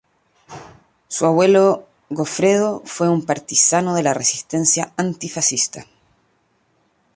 Su abuelo Goffredo fue un partisano de la Resistencia antifascista.